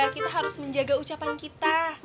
kita harus menjaga ucapan kita